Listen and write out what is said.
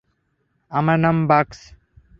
আমার নাম বাগস।